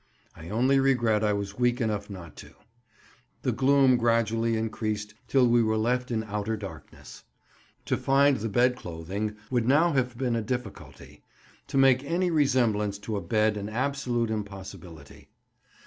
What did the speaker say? I only regret I was weak enough not to. The gloom gradually increased till we were left in outer darkness. To find the bed clothing would now have been a difficulty; to make any resemblance to a bed an absolute impossibility.